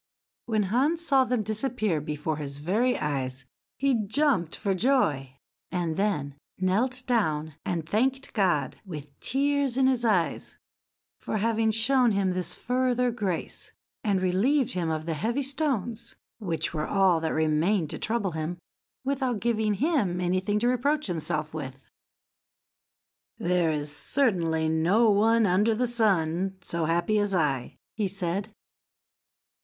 When Hans saw them disappear before his very eyes he jumped for joy, and then knelt down and thanked God, with tears in his eyes, for having shown him this further grace, and relieved him of the heavy stones (which were all that remained to trouble him) without giving him anything to reproach himself with. "There is certainly no one under the sun so happy as I," he said.